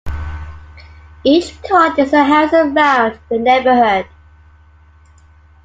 Each card is a house around the neighborhood.